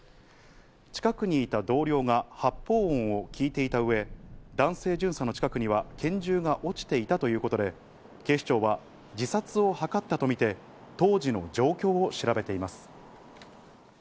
近くにいた同僚が発砲音を聞いていた上、男性巡査の近くには拳銃が落ちていたということで、警視庁は自殺を図ったとみて、当時の状況を調べています。